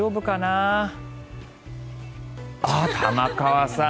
あ、玉川さん。